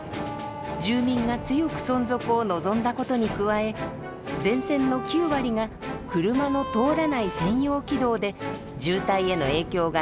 住民が強く存続を望んだことに加え全線の９割が車の通らない専用軌道で渋滞への影響が少ないことが決め手になりました。